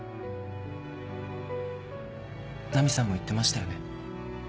ナミさんも言ってましたよね。